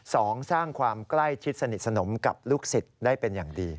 สองสร้างความใกล้ชิดสนิทสนมกับลูกศิษย์ได้เป็นอย่างดี